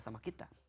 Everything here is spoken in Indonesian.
bukan sama kita